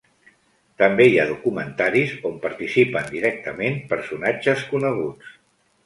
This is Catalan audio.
També hi ha documentaris on participen directament personatges coneguts.